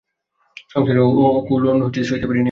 সংসারে অকুলোন সইতে পারি নে।